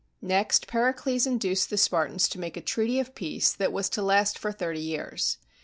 Next, Pericles induced the Spartans to make a treaty of peace that was to last for thirty years.